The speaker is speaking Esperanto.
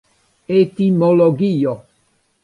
etimologio